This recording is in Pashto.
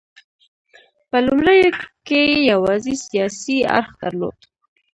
په لومړیو کې یې یوازې سیاسي اړخ درلود.